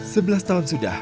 sebelas tahun sudah